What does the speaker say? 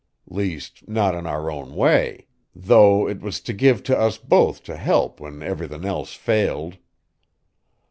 Least, not in our own way, though 't was give t' us both t' help when everythin' else failed.